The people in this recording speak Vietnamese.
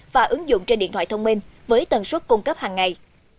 và ứng dụng trên điện thoại thông minh với tần suất cung cấp hàng ngày